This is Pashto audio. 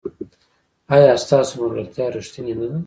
ایا ستاسو ملګرتیا ریښتینې نه ده؟